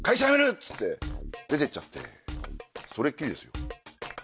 っつって出てっちゃってそれっきりですよ。